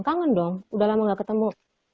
kangen dong udah lama gak ketemu